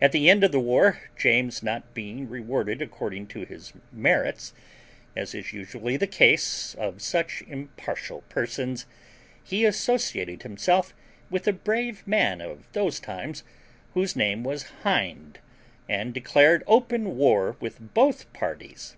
At the end of the war, James not being rewarded according to his merits, as is usually the case of such impartial persons, he associated himself with a brave man of those times, whose name was Hind, and declared open war with both parties.